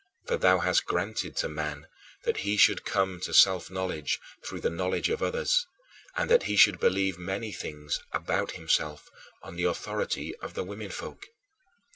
For thou hast granted to man that he should come to self knowledge through the knowledge of others, and that he should believe many things about himself on the authority of the womenfolk.